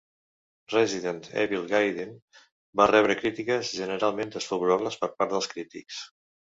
"Resident Evil Gaiden" va rebre crítiques generalment desfavorables per part dels crítics.